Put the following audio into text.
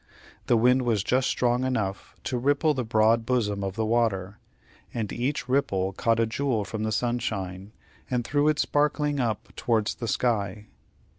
The wind was just strong enough to ripple the broad bosom of the water, and each ripple caught a jewel from the sunshine, and threw it sparkling up towards the sky.